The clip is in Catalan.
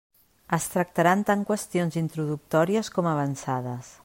Es tractaran tant qüestions introductòries com avançades.